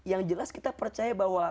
yang jelas kita percaya bahwa